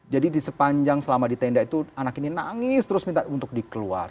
jadi di sepanjang selama di tenda itu anak ini nangis terus minta untuk dikeluar